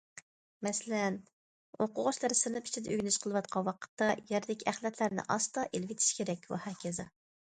مەسىلەن: ئوقۇغۇچىلار سىنىپ ئىچىدە ئۆگىنىش قىلىۋاتقان ۋاقىتتا، يەردىكى ئەخلەتلەرنى ئاستا ئېلىۋېتىش كېرەك، ۋەھاكازا.